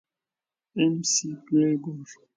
اېم سي ګرېګور.